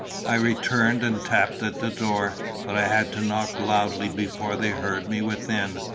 I returned and tapped at the door; but I had to knock loudly before they heard me within.